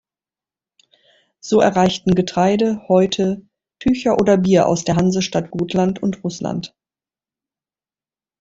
So erreichten Getreide, Häute, Tücher oder Bier aus der Hansestadt Gotland und Russland.